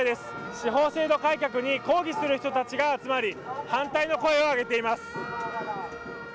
司法制度改革に抗議する人たちが集まり反対の声を上げています。